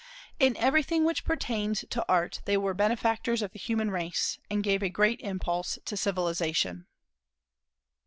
In everything which pertains to Art they were benefactors of the human race, and gave a great impulse to civilization.